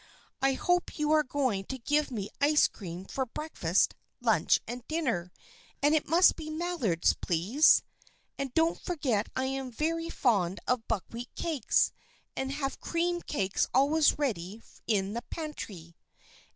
I hope you are going to give me ice cream for break fast, lunch and dinner, and it must be Maillard's, please. And don't forget I am very fond of buck wheat cakes, and have cream cakes always ready in the pantry."